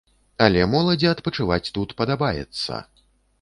Але моладзі адпачываць тут падабаецца.